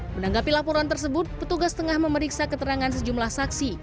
menanggapi laporan tersebut petugas tengah memeriksa keterangan sejumlah saksi